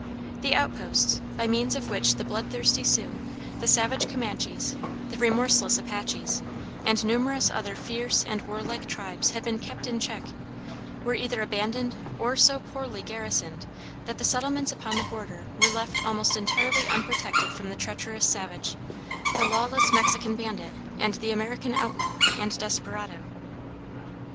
The outposts, by means of which the blood thirsty Sioux, the savage Comanches, the remorseless Apaches, and numerous other fierce and war like tribes had been kept in check, were either abandoned, or so poorly garrisoned that the settlements upon the border were left almost entirely unprotected from the treacherous savage, the lawless Mexican bandit, and the American outlaw and desperado.